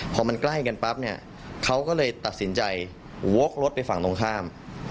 พอมันใกล้กันปั๊บเนี่ยเขาก็เลยตัดสินใจวกรถไปฝั่งตรงข้าม